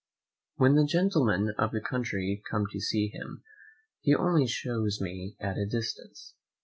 When the gentlemen of the country come to see him, he only shews me at a distance.